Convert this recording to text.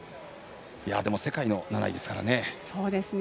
世界の７位ですからね。